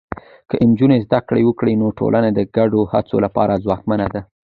که نجونې زده کړه وکړي، نو ټولنه د ګډو هڅو لپاره ځواکمنه ده.